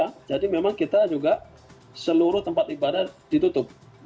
ya jadi memang kita juga seluruh tempat ibadah ditutup